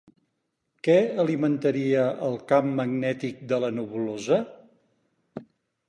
Què alimentaria el camp magnètic de la nebulosa?